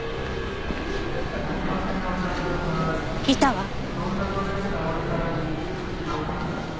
いたわ。